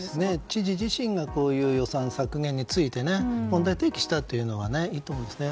知事自身が予算削減について提起したというのはいいと思うんですね。